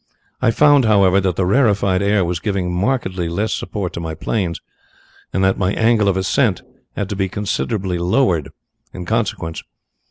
I found, however, that the rarefied air was giving markedly less support to my planes, and that my angle of ascent had to be considerably lowered in consequence.